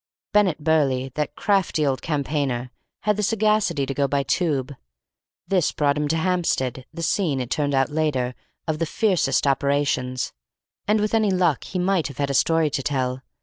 Bennett Burleigh, that crafty old campaigner, had the sagacity to go by Tube. This brought him to Hampstead, the scene, it turned out later, of the fiercest operations, and with any luck he might have had a story to tell.